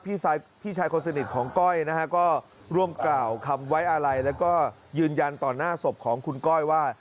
พี่ชายคนสนิทของก้อยนะฮะก็ร่วมกล่าวคำไว้อะไรแล้วก็ยืนยันต่อหน้าศพของคุณก้อยว่า